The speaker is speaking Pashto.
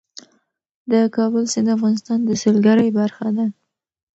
د کابل سیند د افغانستان د سیلګرۍ برخه ده.